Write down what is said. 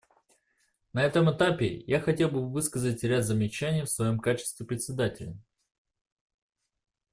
На этом этапе я хотел бы высказать ряд замечаний в своем качестве Председателя.